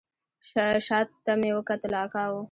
شا ته مې وکتل اکا و.